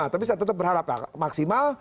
tapi saya tetap berharap ya maksimal